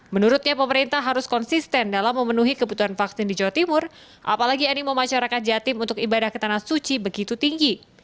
menurutnya pemerintah harus konsisten dalam memenuhi kebutuhan vaksin di jawa timur apalagi animo masyarakat jatim untuk ibadah ke tanah suci begitu tinggi